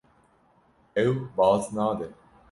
Ew baz nade.